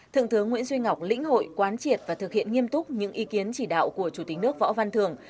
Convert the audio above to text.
thượng tướng nguyễn duy ngọc lĩnh hội quán triệt và thực hiện nghiêm túc những ý kiến chỉ đạo của chủ tịch nước võ văn thường